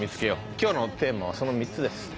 今日のテーマはその３つです。